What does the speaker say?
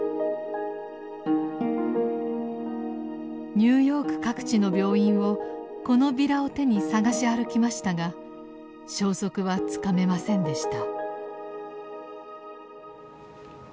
ニューヨーク各地の病院をこのビラを手に捜し歩きましたが消息はつかめませんでした。